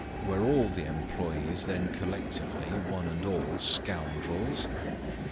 Were all the employees then collectively, one and all, scoundrels?